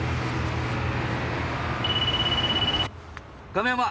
亀山！